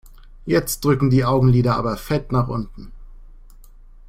Jetzt drücken die Augenlider aber fett nach unten.